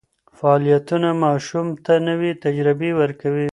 فعالیتونه ماشوم ته نوې تجربې ورکوي.